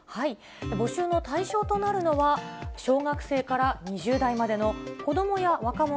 募集の対象となるのは、小学生から２０代までの子どもや若者